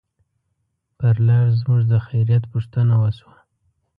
پر لار زموږ د خیریت پوښتنه وشوه.